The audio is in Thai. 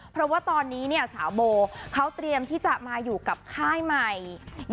เพราะว่าตอนนี้เนี่ยสาวโบเขาเตรียมที่จะมาอยู่กับค่ายใหม่